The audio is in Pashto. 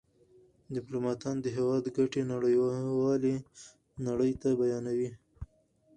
ډيپلومات د هېواد ګټې نړېوالي نړۍ ته بیانوي.